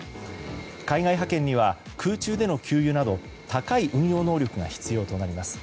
海外派遣には空中での給油など高い運用能力が必要となります。